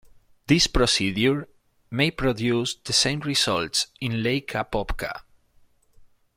This procedure may produce the same results in Lake Apopka.